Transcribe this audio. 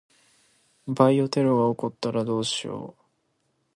バイオテロが起こったらどうしよう。